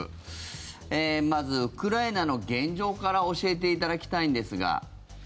まずウクライナの現状から教えていただきたいんですが。